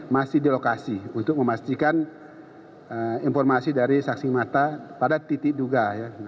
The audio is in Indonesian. masih di lokasi untuk memastikan informasi dari saksi mata pada titik duga